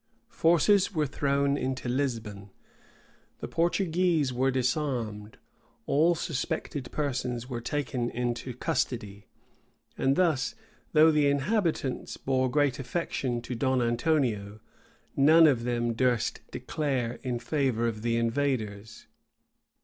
Forces were thrown into Lisbon: the Portuguese were disarmed: all suspected persons were taken into custody: and thus, though the inhabitants bore great affection to Don Antonio, none of them durst declare in favor of the invaders.